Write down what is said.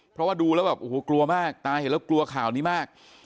เพราะว่าดูแล้วกลัวมากตายแล้วกลัวข่าวนี้มาก